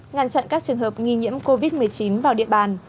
ngăn chặn các trường hợp nghi nhiễm covid một mươi chín vào địa bàn